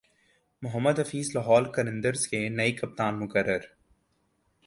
محمد حفیظ لاہور قلندرز کے نئے کپتان مقرر